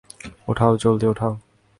উঠাও, জলদি উঠাও।